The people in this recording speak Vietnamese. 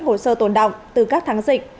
hồ sơ tồn đọng từ các tháng dịch